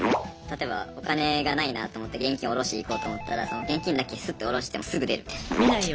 例えばお金がないなと思って現金下ろしに行こうと思ったら現金だけスッと下ろしてもうすぐ出るみたいな。